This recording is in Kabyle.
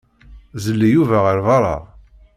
Zelli Yuba ɣer beṛṛa.